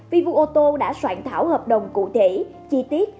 vvu ô tô đã soạn thảo hợp đồng cụ thể chi tiết